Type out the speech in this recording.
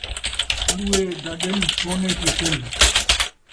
اُلوئے دا ݙلھ، سونے کی سلھ